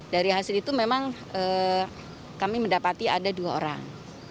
dari hasil itu memang kami mendapati ada dua orang